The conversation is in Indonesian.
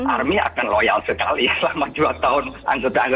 army akan loyal sekali selama dua tahun anggota anggotanya uamil pun